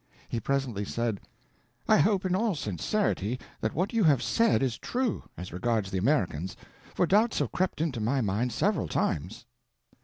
He presently said: "I hope in all sincerity that what you have said is true, as regards the Americans, for doubts have crept into my mind several times.